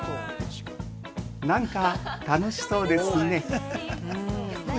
なんか楽しそうですね！